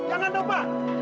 jangan dong pak